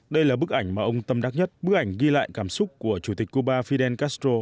đây là bức ảnh mà ông tâm đắc nhất bức ảnh ghi lại cảm xúc của chủ tịch cuba fidel castro